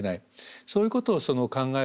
そういうことを考えるとですね